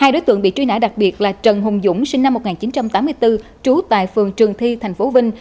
hai đối tượng bị truy nã đặc biệt là trần hùng dũng sinh năm một nghìn chín trăm tám mươi bốn trú tại phường trường thi tp vinh